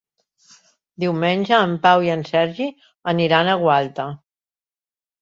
Diumenge en Pau i en Sergi aniran a Gualta.